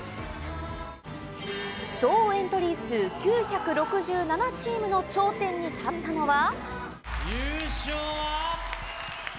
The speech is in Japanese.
総エントリー数９６７チームの頂点に立ったのは。